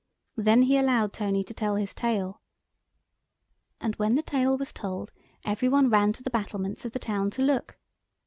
Then he allowed Tony to tell his tale. And when the tale was told every one ran to the battlements of the town to look.